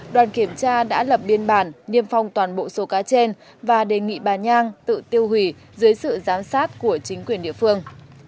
đoàn kiểm tra đã lập biên bản niêm phong toàn bộ số cá trên và đề nghị bà nhang tự tiêu hủy dưới sự giám sát của chính quyền địa phương